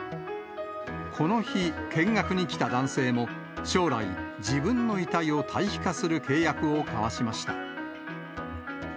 この日、見学に来た男性も、将来、自分の遺体を堆肥化する契約を交わしました。